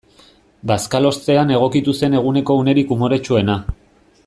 Bazkalostean egokitu zen eguneko unerik umoretsuena.